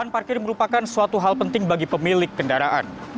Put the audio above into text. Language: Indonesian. lahan parkir merupakan suatu hal penting bagi pemilik kendaraan